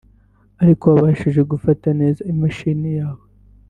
ariko wabashije gufata neza imashini yawe